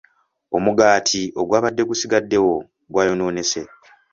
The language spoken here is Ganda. Omugaati ogwabadde gusigaddewo gwayonoonese.